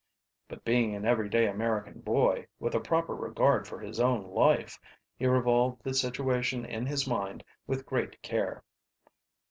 But being an everyday American boy, with a proper regard for his own life, he revolved the situation in his mind with great care.